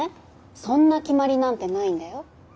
そんな決まりなんてないんだよ。